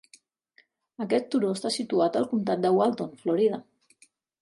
Aquest turó està situat al comtat de Walton, Florida.